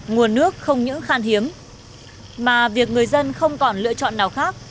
nguồn nước không những khan hiếm mà việc người dân không còn lựa chọn nào khác